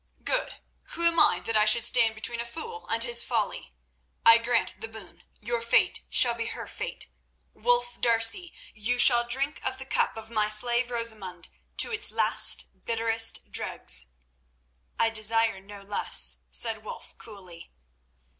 "Good. Who am I that I should stand between a fool and his folly? I grant the boon. Your fate shall be her fate; Wulf D'Arcy, you shall drink of the cup of my slave Rosamund to its last bitterest dregs." "I desire no less," said Wulf coolly.